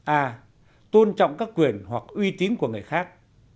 a tôn trọng các quyền hoặc uy tín của người khác